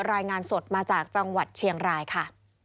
รายงานสดมาจากจังหวัดเชียงรายค่ะ